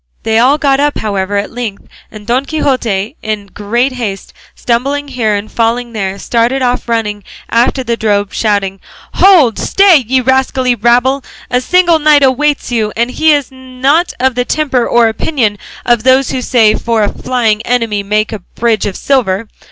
They all got up, however, at length, and Don Quixote in great haste, stumbling here and falling there, started off running after the drove, shouting out, "Hold! stay! ye rascally rabble, a single knight awaits you, and he is not of the temper or opinion of those who say, 'For a flying enemy make a bridge of silver.